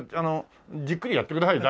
じっくりやってくださいね。